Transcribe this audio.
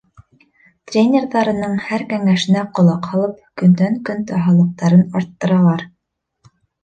Тренерҙарының һәр кәңәшенә ҡолаҡ һалып, көндән-көн таһыллыҡтарын арттыралар.